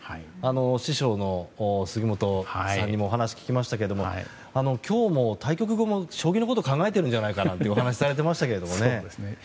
師匠の杉本さんにもお話を聞きましたけれども今日も対局後も将棋のことを考えてるんじゃないかなんてお話しされてましたけどね。